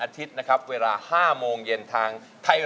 เพลงที่เจ็ดเพลงที่แปดแล้วมันจะบีบหัวใจมากกว่านี้